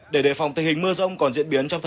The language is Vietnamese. để đề phòng tình hình mưa rỗng còn diễn biến